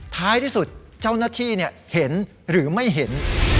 ท้ายที่สุดเจ้าหน้าที่เห็นหรือไม่เห็น